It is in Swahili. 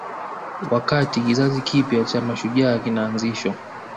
Wakati kizazi kipya cha mashujaa kinaanzishwa